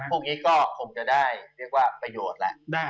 พวกนี้ก็คงจะได้เป็นประโยชน์